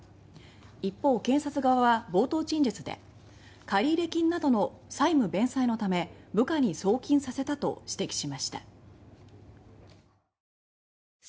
一方、検察側は冒頭陳述で「借入金などの債務弁済のため部下に送金させた」と指摘しました。